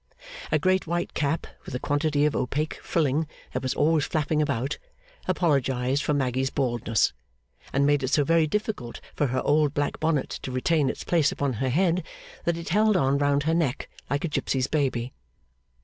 A great white cap, with a quantity of opaque frilling that was always flapping about, apologised for Maggy's baldness, and made it so very difficult for her old black bonnet to retain its place upon her head, that it held on round her neck like a gipsy's baby.